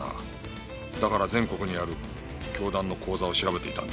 だから全国にある教団の口座を調べていたんだ。